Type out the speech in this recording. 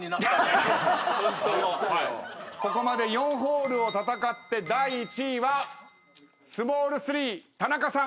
ここまで４ホールを戦って第１位はスモール３田中さん。